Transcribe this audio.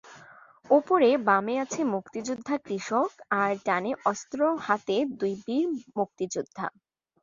উপরে বামে আছে মুক্তিযোদ্ধা কৃষক আর ডানে অস্ত্র হাতে দুই বীর মুক্তিযোদ্ধা।